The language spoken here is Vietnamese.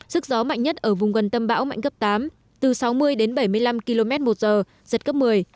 sức gió mạnh nhất ở vùng gần tâm bão mạnh cấp tám từ sáu mươi đến bảy mươi năm km một giờ giật cấp một mươi